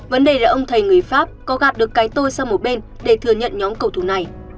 vấn đề là ông thầy người pháp có gạt được cái tôi sang một bên để thừa nhận nhóm cầu thủ này